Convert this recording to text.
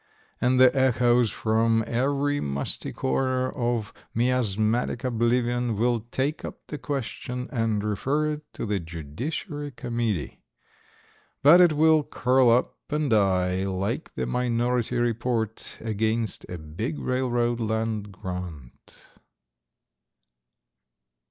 and the echoes from every musty corner of miasmatic oblivion will take up the question and refer it to the judiciary committee; but it will curl up and die like the minority report against a big railroad land grant.